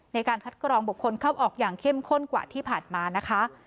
ในการคัดกรองบุคคลเข้าออกอย่างเข้มข้นกว่าที่ผ่านมานะคะ